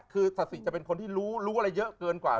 คือศาสิจะเป็นคนที่รู้รู้อะไรเยอะเกินกว่า